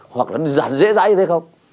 hoặc là dàn dễ dãi như thế không